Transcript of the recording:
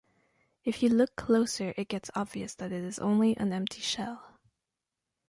If you look closer it gets obvious that it is only an empty shell.